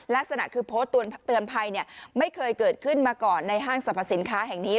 ลักษณะคือโพสต์เตือนภัยไม่เคยเกิดขึ้นมาก่อนในห้างสรรพสินค้าแห่งนี้